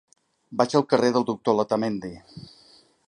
Vaig al carrer del Doctor Letamendi.